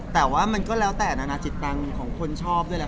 แต่ว่ามันก็แล้วแต่นานาจิตตังค์ของคนชอบด้วยแหละ